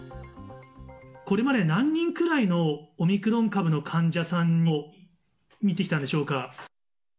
これまで何人くらいのオミクロン株の患者さんを見てきたんでしょうか？